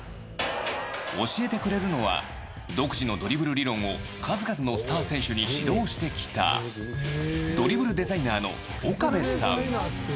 教えてくれるのは独自のドリブル理論を数々のスター選手に指導してきたドリブルデザイナーの岡部さん。